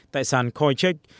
tại sàn coincheck